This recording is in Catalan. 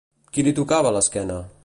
Qui li tocava l'esquena?